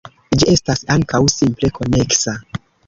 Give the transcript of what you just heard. Ĝi estas ankaŭ simple-koneksa.